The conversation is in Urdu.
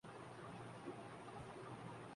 مٹی کے چولہوں کے